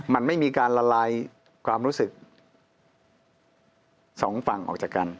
มันไม่มีการละลายความรู้สึกสองฝั่งออกจากกัน